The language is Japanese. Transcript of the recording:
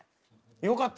よかった！